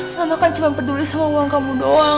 sana kan cuma peduli sama uang kamu doang